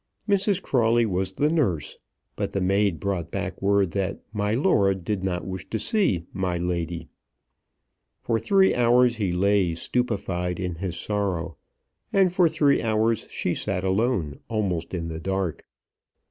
Mrs. Crawley was the nurse. But the maid brought back word that "My Lord" did not wish to see "My Lady." For three hours he lay stupefied in his sorrow; and for three hours she sat alone, almost in the dark.